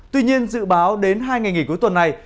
tuy nhiên dự báo đến hai ngày nghỉ cuối tuần này